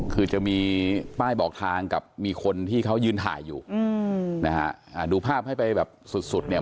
คือจะมีป้ายบอกทางกับมีคนที่เขายืนถ่ายอยู่อืมนะฮะอ่าดูภาพให้ไปแบบสุดสุดเนี่ย